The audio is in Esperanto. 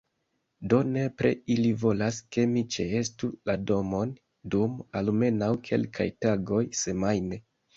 Do nepre ili volas ke mi ĉeestu la domon, dum almenaŭ kelkaj tagoj semajne